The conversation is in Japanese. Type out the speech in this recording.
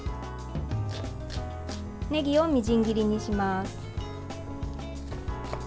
ねぎをみじん切りにします。